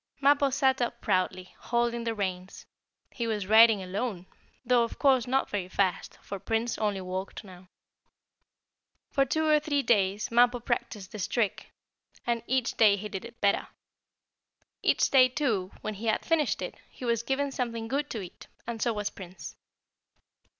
Mappo sat up proudly, holding the reins. He was riding alone, though of course not very fast, for Prince only walked now. For two or three days Mappo practiced this trick, and each day he did it better. Each day, too, when he had finished it, he was given something good to eat, and so was Prince.